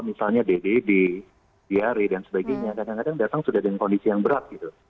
misalnya ddd diare dan sebagainya kadang kadang datang sudah dengan kondisi yang berat gitu